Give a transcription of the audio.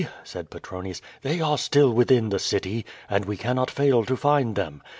said Petronius, "they are still within the city, and we cannot fail to find them.